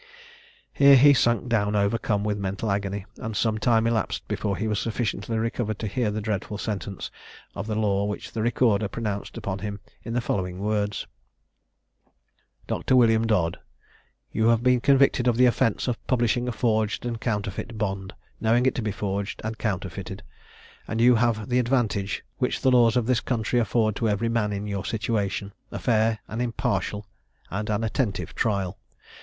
Here he sunk down overcome with mental agony, and some time elapsed before he was sufficiently recovered to hear the dreadful sentence of the law, which the Recorder pronounced upon him in the following words: "Dr. William Dodd, "You have been convicted of the offence of publishing a forged and counterfeit bond, knowing it to be forged and counterfeited; and you have had the advantage which the laws of this country afford to every man in your situation, a fair, an impartial, and an attentive trial.